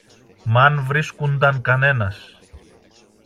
Μ' αν βρίσκουνταν κανένας.